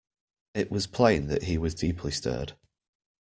It was plain that he was deeply stirred.